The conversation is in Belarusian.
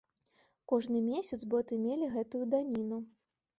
Кожны месяц боты мелі гэтую даніну.